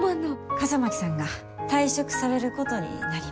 笠巻さんが退職されることになりました。